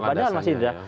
padahal masih ada